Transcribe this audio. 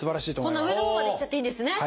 こんな上のほうまでいっちゃっていいんですね。